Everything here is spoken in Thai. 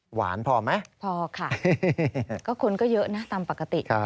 หวานพอไหมพอค่ะคุณก็เยอะนะตามปกติ